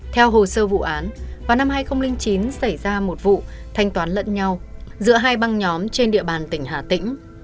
theo hồ sơ vụ án vào năm hai nghìn chín xảy ra một vụ thanh toán lẫn nhau giữa hai băng nhóm trên địa bàn tỉnh hà tĩnh